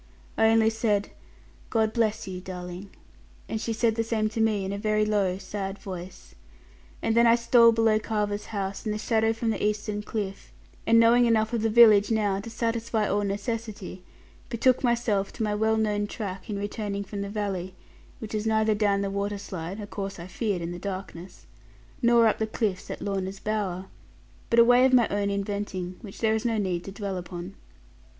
I only said, 'God bless you, darling!' and she said the same to me, in a very low sad voice. And then I stole below Carver's house, in the shadow from the eastern cliff; and knowing enough of the village now to satisfy all necessity, betook myself to my well known track in returning from the valley; which was neither down the waterslide (a course I feared in the darkness) nor up the cliffs at Lorna's bower; but a way of my own inventing, which there is no need to dwell upon.